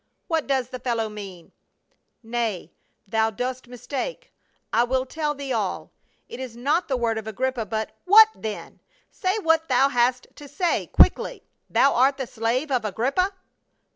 What does the fellow mean ?"" Nay, thou dost mistake ; I will tell thee all ; it is not the word of Agrippa, but —" "What then? Say what thou hast to say quickly. Thou art the slave of Agrippa?"